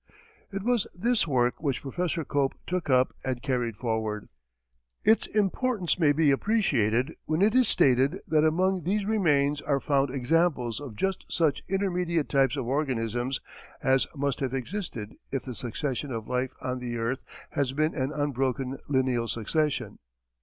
It was this work which Prof. Cope took up and carried forward. Its importance may be appreciated when it is stated that among these remains are found examples of just such intermediate types of organisms as must have existed if the succession of life on the earth has been an unbroken lineal succession.